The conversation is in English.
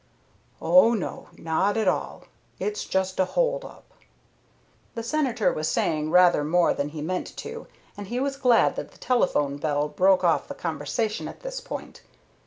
"Oh, no; not at all. It's just a hold up." The Senator was saying rather more than he meant to, and he was glad that the telephone bell broke off the conversation at this point.